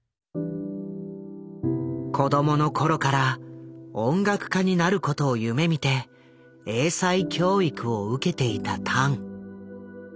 子どもの頃から音楽家になることを夢みて英才教育を受けていたタン。